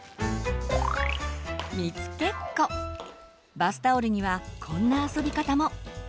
バスタオルにはこんな遊び方も。